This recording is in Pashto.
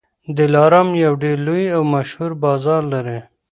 دلارام یو ډېر لوی او مشهور بازار لري.